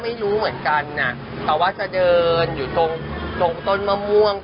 ไม่รู้เหมือนกันแต่ว่าจะเดินอยู่ตรงตรงต้นมะม่วง